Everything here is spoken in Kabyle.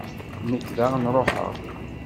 Nekk daɣen ṛuḥeɣ.